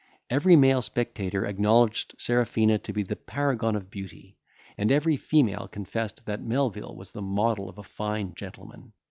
Every male spectator acknowledged Serafina to be the paragon of beauty; and every female confessed, that Melvil was the model of a fine gentleman.